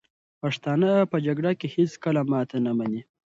پښتانه په جګړه کې هېڅکله ماته نه مني.